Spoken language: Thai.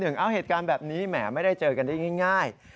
เหตุการณ์แบบนี้แหมไม่ได้เจอกันได้ง่าย